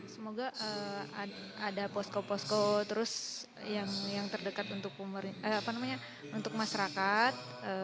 semoga ada posko posko terus yang terdekat untuk masyarakat